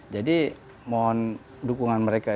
jadi mohon dukungan mereka